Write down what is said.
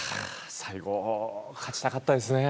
最後勝ちたかったですね。